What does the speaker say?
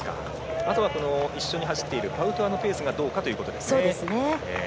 あとは、一緒に走っているパウトワのペースがどうかということですね。